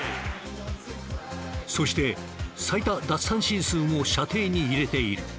そして最多奪三振数も射程に入れている。